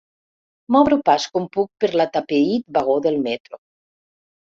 M'obro pas com puc per l'atapeït vagó del metro.